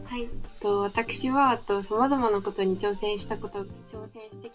私はさまざまなことに挑戦してきたことが。